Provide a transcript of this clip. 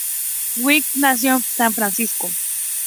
Wright nació en San Francisco.